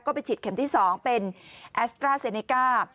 ก็ไปฉีดเข็มที่๒เป็นแอสเตอร์เซเนคา